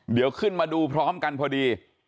เดี๋ยวขึ้นมาดูพร้อมกันพอดี